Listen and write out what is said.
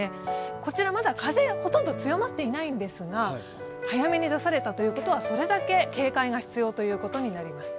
こちら、まだ風、ほとんど強まってないんですが早めに出されたということは、それだけ警戒が必要ということになります。